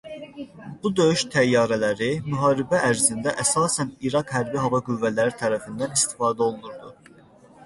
Bu döyüş təyyarələri müharibə ərzində əsasən İraq Hərbi Hava Qüvvələri tərəfindən istifadə olunurdu.